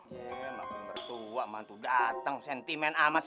sama pemberdua mantu dateng sentimen amat sih